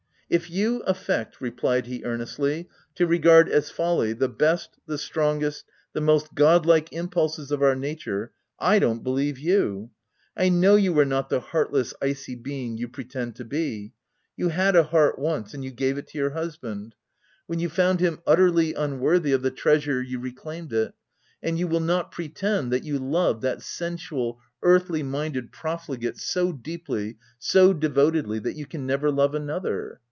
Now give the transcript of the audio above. If you affect/* replied he earnestly, " to re gard as folly, the best, the strongest, the most godlike impulses of our nature, —/ don't believe you— I know you are not the heartless, icy being you pretend to be — you had a heart once, and you gave it to your husband. When you found OF WILDFELL HALL. 361 him utterly unworthy of the treasure you re claimed it ;— and you will not pretend that you loved that sensual, earthly minded profligate so deeply, so devotedly that you can never love another